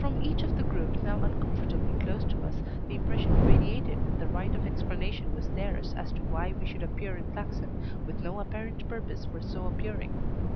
From each of the group, now uncomfortably close to us, the impression radiated that the right of explanation was theirs as to why we should appear in Claxon with no apparent purpose for so appearing.